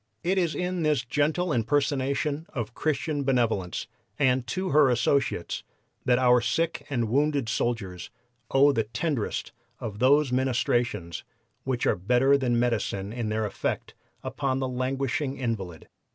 It is in this gentle impersonation of Christian benevolence and to her associates that our sick and wounded soldiers owe the tenderest of those ministrations which are better than medicine in their effect upon the languishing invalid.